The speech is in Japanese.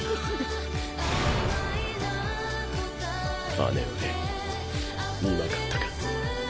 姉上みまかったか。